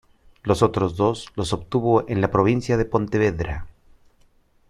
Los otros dos los obtuvo en la provincia de Pontevedra.